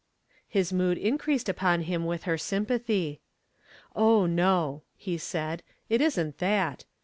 His mood increased upon him with her sympathy. "Oh, no," he said, "it isn't that.